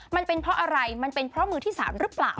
มันเป็นเพราะอะไรมันเป็นเพราะมือที่๓หรือเปล่า